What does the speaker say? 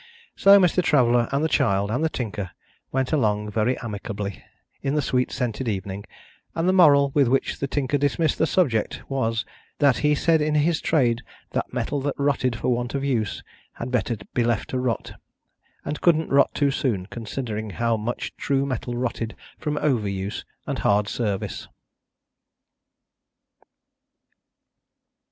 So, Mr. Traveller, and the child, and the Tinker, went along very amicably in the sweet scented evening; and the moral with which the Tinker dismissed the subject was, that he said in his trade that metal that rotted for want of use, had better be left to rot, and couldn't rot too soon, considering how much true metal rotted from over use and hard service.